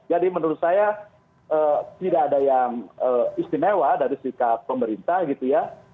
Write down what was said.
jadi menurut saya tidak ada yang istimewa dari sikap pemerintah gitu ya